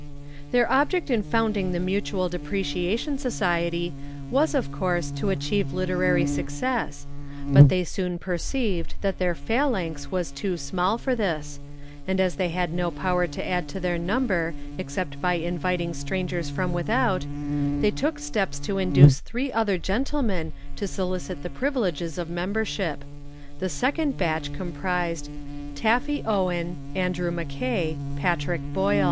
Their object in founding the Mutual Depreciation Society was of course to achieve literary success, but they soon perceived that their phalanx was too small for this, and as they had no power to add to their number except by inviting strangers from without, they took steps to induce three other gentlemen to solicit the privileges of membership. The second batch comprised, Taffy Owen, Andrew Mackay, Patrick Boyle.